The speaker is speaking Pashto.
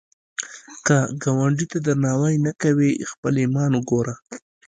که ګاونډي ته درناوی نه کوې، خپل ایمان وګوره